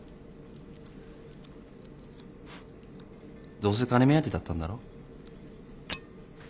どうせ金目当てだったんだろ？